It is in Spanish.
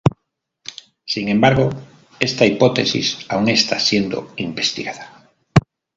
Sin embargo, esta hipótesis aún está siendo investigada.